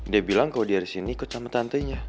dia bilang kalau dia disini ikut sama tantenya